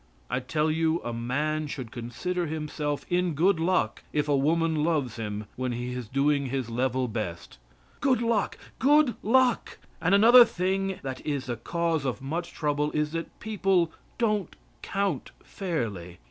I tell you a man should consider himself in good luck if a woman loves him when he is doing his level best! Good luck! Good luck! And another thing that is the cause of much trouble is that people don't count fairly.